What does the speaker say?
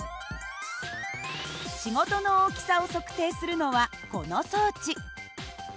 仕事の大きさを測定するのはこの装置。